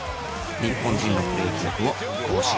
日本人のプレー記録を更新し続ける